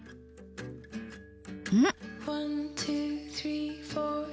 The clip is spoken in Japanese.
うん！